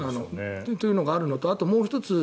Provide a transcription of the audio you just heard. というのがあるのとあともう１つ